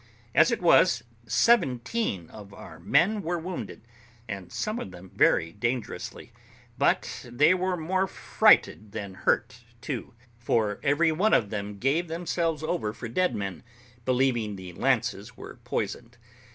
As it was, seventeen of our men were wounded, and some of them very dangerously. But they were more frighted than hurt too, for every one of them gave themselves over for dead men, believing the lances were poisoned.